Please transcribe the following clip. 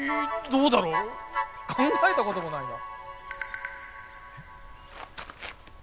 どうだろう考えたこともないな。